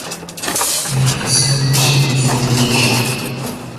اقتصاد شکوفای کشور